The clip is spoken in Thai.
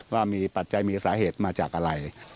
ว่ามีปัจจัยมีสาเหตุมาจากอะไร